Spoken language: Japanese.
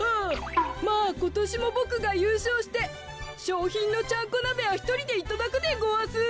まあことしもボクがゆうしょうしてしょうひんのちゃんこなべはひとりでいただくでごわす。